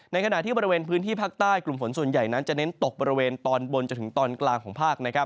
ขณะที่บริเวณพื้นที่ภาคใต้กลุ่มฝนส่วนใหญ่นั้นจะเน้นตกบริเวณตอนบนจนถึงตอนกลางของภาค